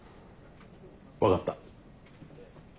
分かった。